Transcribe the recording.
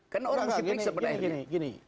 kan orang siplik sebenarnya